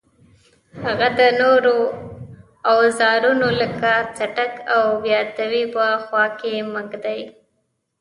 هغه د نورو اوزارونو لکه څټک او بیاتي په خوا کې مه ږدئ.